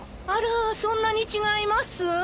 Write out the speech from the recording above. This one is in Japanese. あらそんなに違います？